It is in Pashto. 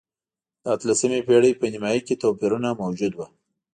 د اتلسمې پېړۍ په نییمایي کې توپیرونه موجود و.